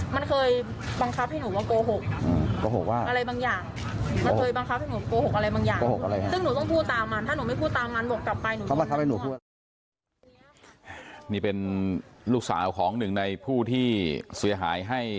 มันเลวร้ายมากไม่ว่าหนูนะจะเคยดูแบบ